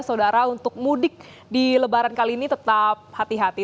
saudara untuk mudik di lebaran kali ini tetap hati hati